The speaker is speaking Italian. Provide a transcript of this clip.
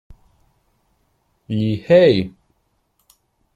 Gli Hey!